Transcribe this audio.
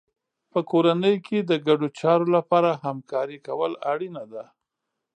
په کورنۍ کې د ګډو چارو لپاره همکاري کول اړینه ده.